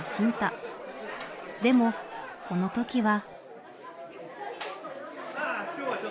でもこのときは。